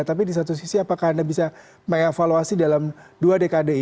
tapi di satu sisi apakah anda bisa mengevaluasi dalam dua dekade ini